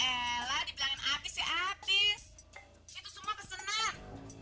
elah dibilangin apis ya apis itu semua pesenan